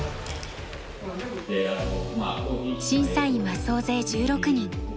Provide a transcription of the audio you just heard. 審査員は総勢１６人。